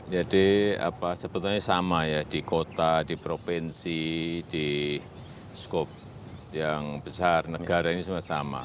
jadi sebetulnya sama ya di kota di provinsi di skop yang besar negara ini semua sama